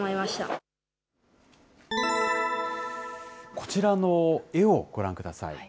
こちらの絵をご覧ください。